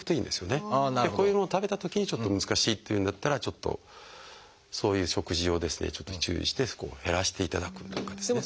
こういうのを食べたときにちょっと難しいっていうんだったらちょっとそういう食事をですね注意して減らしていただくとかですね。